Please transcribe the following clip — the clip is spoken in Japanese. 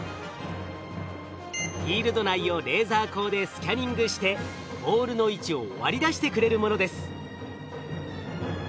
フィールド内をレーザー光でスキャニングしてボールの位置を割り出してくれるものです。